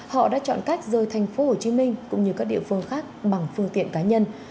họ đã chọn cách rời thành phố hồ chí minh cũng như các địa phương khác bằng phương tiện cá nhân